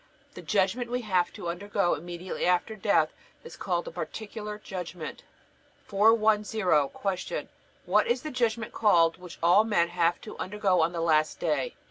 The judgment we have to undergo immediately after death is called the Particular Judgment. 410. Q. What is the judgment called which all men have to undergo on the last day?